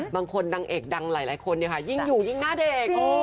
บางคนนางเอกดังหลายคนยิ่งอยู่ยิ่งหน้าเด็ก